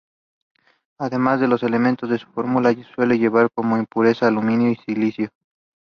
The wet monsoon season is from December to April.